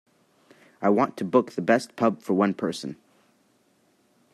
I want to book the best pub for one person.